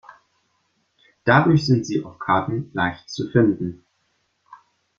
Dadurch sind sie auf Karten leicht zu finden.